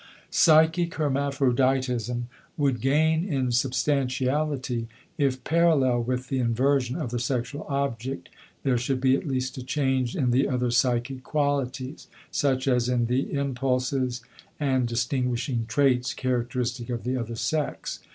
Psychic hermaphroditism would gain in substantiality if parallel with the inversion of the sexual object there should be at least a change in the other psychic qualities, such as in the impulses and distinguishing traits characteristic of the other sex.